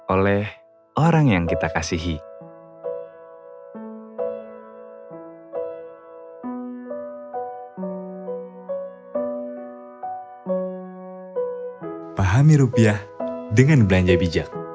oleh orang yang kita kasihi